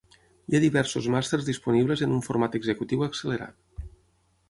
Hi ha diversos màsters disponibles en un format executiu accelerat.